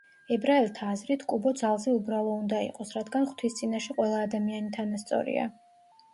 ებრაელთა აზრით, კუბო ძალზე უბრალო უნდა იყოს, რადგან ღვთის წინაშე ყველა ადამიანი თანასწორია.